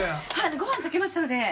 ご飯炊けましたので。